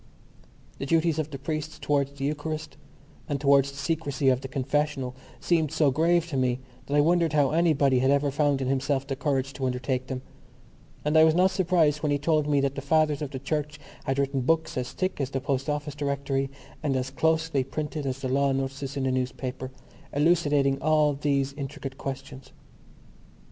The duties of the priest towards the Eucharist and towards the secrecy of the confessional seemed so grave to me that I wondered how anybody had ever found in himself the courage to undertake them; and I was not surprised when he told me that the fathers of the Church had written books as thick as the Post Office Directory and as closely printed as the law notices in the newspaper, elucidating all these intricate questions.